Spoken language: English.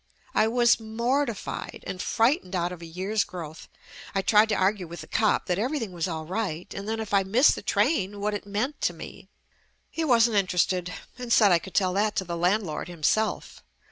I was mortified and frightened out of a year's growth. I tried to argue with the cop that everything was all right, and that if I missed the train what it meant to me. He wasn't interested and said I could tell that to the landlord himself.